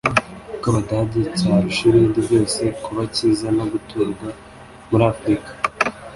bw abadage cyarusha ibindi byose kuba kiza no guturwa muri afurika